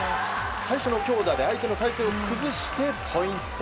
最初の強打で相手の体勢を崩してポイント。